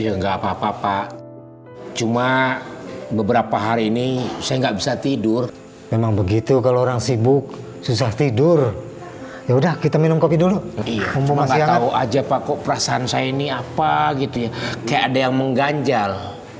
ya nggak apa apa pak cuma beberapa hari ini saya nggak bisa tidur memang begitu kalau orang sibuk susah tidur yaudah kita minum kopi dulu nggak tahu aja pak kok perasaan saya ini apa gitu ya kayak ada yang mengganjal